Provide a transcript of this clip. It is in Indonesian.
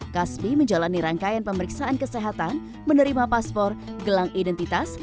kasbi menjalani rangkaian pemeriksaan kesehatan menerima paspor gelang identitas